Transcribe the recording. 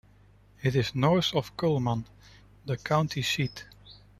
It is north of Cullman, the county seat.